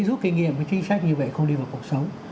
giúp kinh nghiệm với chính sách như vậy không đi vào cuộc sống